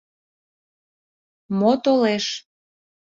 Мо толеш...